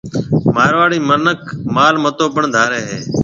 مارواڙي مِنک مال متو پڻ ڌارَي ھيَََ